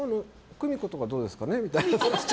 久美子とかどうですかねみたいな。